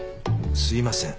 すいません。